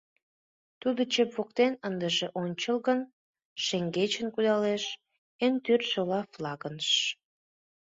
Тудо чеп воктен ындыже ончыч огыл, шеҥгечын кудалеш... эн тӱр шола флангыш.